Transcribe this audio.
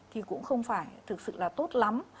thì cũng không phải thật sự là tốt lắm